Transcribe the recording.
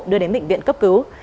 đưa đến bệnh viện cấp cứu